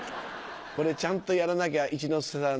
これちゃんとやらなきゃ一之輔さん